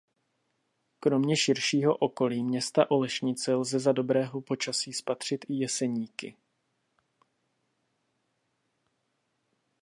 Kromě širšího okolí města Olešnice lze za dobrého počasí spatřit i Jeseníky.